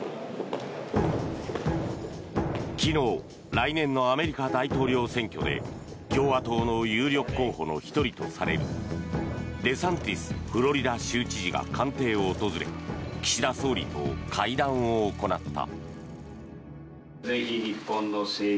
昨日来年のアメリカ大統領選挙で共和党の有力候補の１人とされるデサンティスフロリダ州知事が官邸を訪れ岸田総理と会談を行った。